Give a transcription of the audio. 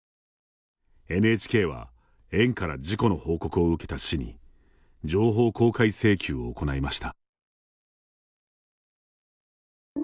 ＮＨＫは園から事故の報告を受けた市に情報公開請求を行いました。